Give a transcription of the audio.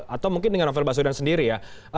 atau mungkin dengan novel baswedan sendiri ya